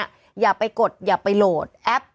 อย่าไปกดอย่าไปโหลดแอป